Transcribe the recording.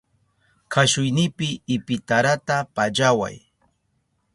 Kashuynipi ipitarata pallaway.